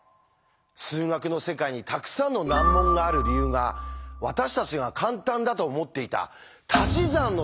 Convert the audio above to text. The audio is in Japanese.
数学の世界にたくさんの難問がある理由が私たちが簡単だと思っていたたし算のせいだなんて。